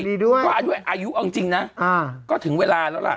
ดีด้วยอายุอ่ะก็ถึงเวลาแล้วล่ะ